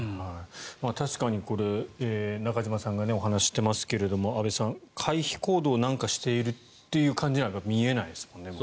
確かに中島さんがお話していますが回避行動なんかしているという感じには見えないですよね。